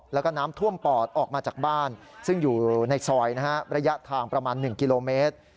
แล้วก็น้ำท่วมปอดออกมาจากบ้านซึ่งอยู่ในซอยระยะทางประมาณ๑กิโลเมตร